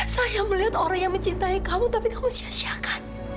saya melihat orang yang mencintai kamu tapi kamu sia siakan